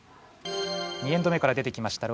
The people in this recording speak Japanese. ２エンド目から出てきました